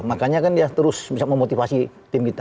makanya kan dia terus bisa memotivasi tim kita